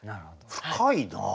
深いなあ。